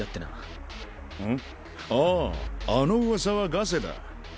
あああのうわさはガセだ。